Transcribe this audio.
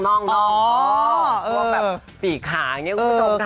เพราะว่าแบบปีกขาอย่างนี้ก็ตรงขา